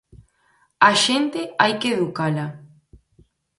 Á xente hai que educala.